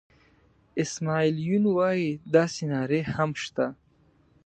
اسماعیل یون وایي داسې نارې هم شته.